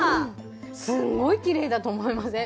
すんごいきれいだと思いません？